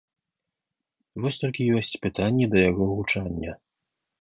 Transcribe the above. Вось толькі ёсць пытанні да яго гучання.